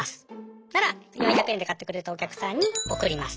そしたら４００円で買ってくれたお客さんに送ります。